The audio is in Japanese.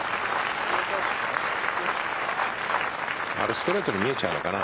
ストレートに見えちゃうのかな。